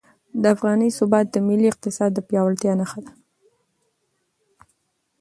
د افغانۍ ثبات د ملي اقتصاد د پیاوړتیا نښه ده.